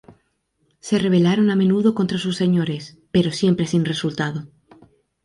Se rebelaron a menudo contra sus señores, pero siempre sin resultado.